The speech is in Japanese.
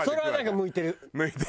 向いてる。